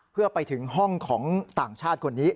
เพื่อไปถึงห้องของต่างชาติคนนี้